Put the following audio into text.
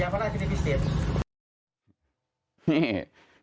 ยาพาราคิดที่พิเศษ